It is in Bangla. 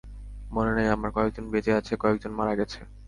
মনে নাই আমার, কয়েকজন বেঁচে আছে, কয়েকজন মারা গেছে।